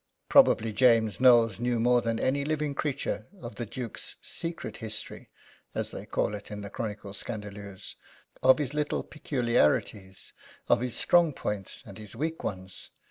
Probably James Knowles knew more than any living creature of the Duke's "secret history" as they call it in the chroniques scandaleuses of his little peculiarities, of his strong points, and his weak ones.